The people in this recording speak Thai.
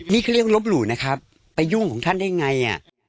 นี่เขาเรียกลบหลู่นะครับไปยุ่งของท่านได้ไงอ่ะ